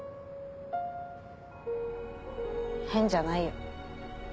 変じゃないよ。